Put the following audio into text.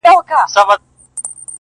علم د انسان افتخار زیاتوي.